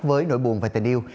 với nỗi buồn và tình yêu